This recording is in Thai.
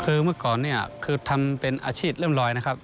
คือเมื่อก่อนเนี่ยคือทำเป็นอาชีพเริ่มลอยนะครับ